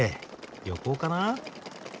旅行かな。